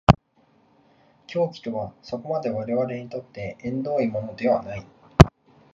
狂気とはそこまで我々にとって縁遠いものではない。